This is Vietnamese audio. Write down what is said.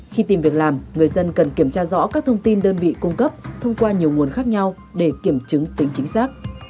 khi tìm việc làm người dân cần kiểm tra rõ các thông tin đơn vị cung cấp thông qua nhiều nguồn khác nhau để kiểm chứng tính chính xác